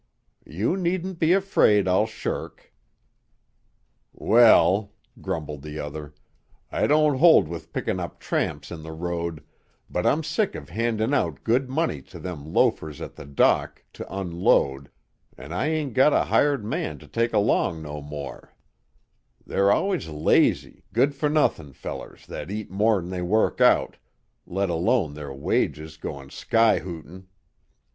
"You needn't be afraid I'll shirk." "Well," grumbled the other, "I don't hold with pickin' up tramps in the road, but I'm sick of handin' out good money to them loafers at the dock to unload, an' I ain't got a hired man to take along no more; they're allus lazy, good for nothin' fellers that eat more'n they work out, let alone their wages goin' sky hootin'!"